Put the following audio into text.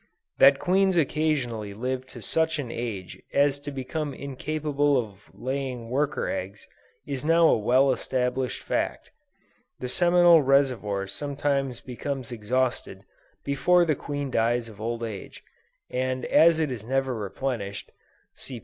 That queens occasionally live to such an age as to become incapable of laying worker eggs, is now a well established fact. The seminal reservoir sometimes becomes exhausted, before the queen dies of old age, and as it is never replenished, (see p.